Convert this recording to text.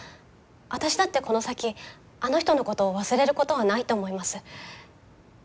私だってこの先あの人のことを忘れることはないと思います。